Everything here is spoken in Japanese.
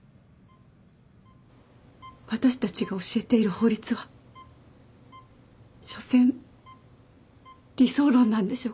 私たちが教えている法律はしょせん理想論なんでしょうか。